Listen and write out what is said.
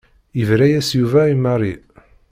Yebra-yas Yuba i Mary.